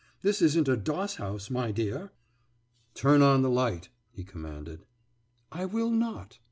This isn't a doss house, my dear!« »Tum on the light,« he commanded. »I will not.